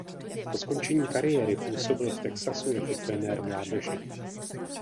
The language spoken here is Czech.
Po skončení kariéry působil v Texasu jako trenér mládeže.